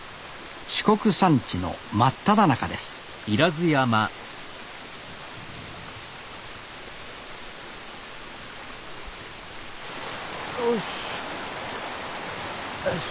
四国山地の真っただ中ですよしっ。